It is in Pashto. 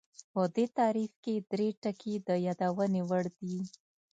په دې تعریف کې درې ټکي د یادونې وړ دي